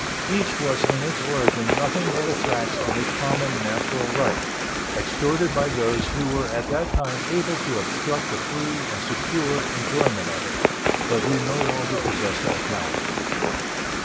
Each was in its origin nothing but a tax on a common natural right, extorted by those who were at that time able to obstruct the free and secure enjoyment of it, but who no longer possess that power.